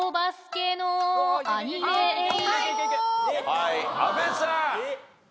はい阿部さん。